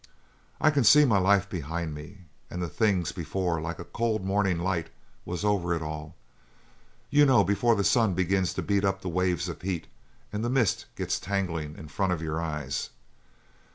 I can see my life behind me and the things before like a cold mornin' light was over it all you know before the sun begins to beat up the waves of heat and the mist gets tanglin' in front of your eyes?